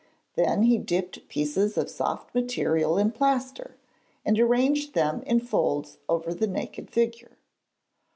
Then he dipped pieces of soft material in plaster, and arranged them in folds over the naked figure.